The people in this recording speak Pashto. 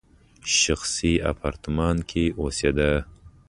شخصي اپارتمان کې اوسېده.